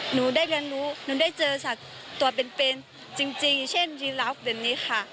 หนูได้เรียนรู้หนูได้เจอสัตว์ตัวเป็นจริงเช่นยีรับแบบนี้ค่ะ